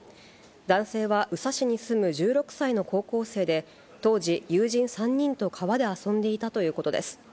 男性は宇佐市に住む１６歳の高校生で、当時、友人３人と川で遊んでいたということです。